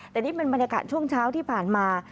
แต่นี่เป็นบรรยากาศช่วงเช้าที่ผ่านมา